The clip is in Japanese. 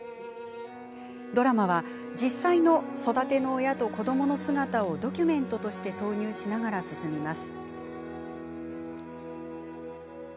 ドラマは、実際の育ての親と子どもの姿をドキュメントとして挿入しながら進みます。